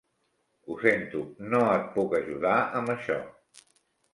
Ho sento, no et puc ajudar amb això.